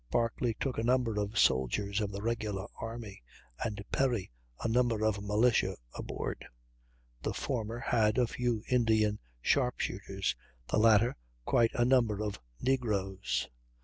Barclay took a number of soldiers of the regular army, and Perry a number of militia, aboard; the former had a few Indian sharp shooters, the latter quite a number of negroes.